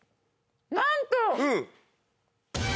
なんと。